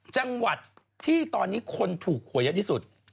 จังหวัดที่ตอนนี้คนถูกหวยเยอะที่สุด